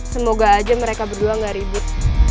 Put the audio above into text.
semoga aja mereka berdua gak ribut